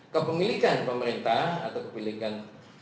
kepemilikan pemerintah atau kepemilikan